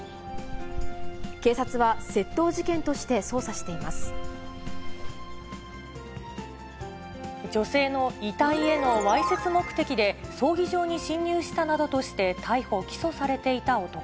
警察は窃盗事件として捜査し女性の遺体へのわいせつ目的で、葬儀場に侵入したなどとして逮捕・起訴されていた男。